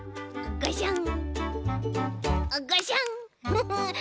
ガシャン。